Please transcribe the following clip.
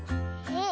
え。